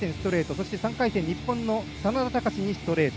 そして３回戦、日本の眞田卓にストレート。